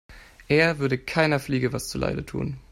Er würde keiner Fliege was zu Leide tun.